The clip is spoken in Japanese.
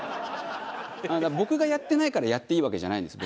僕がやってないからやっていいわけじゃないんですよ。